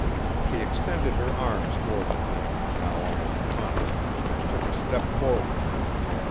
She extended her arms toward the thing, now almost upon us, and took a step forward.